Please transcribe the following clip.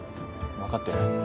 分かってる。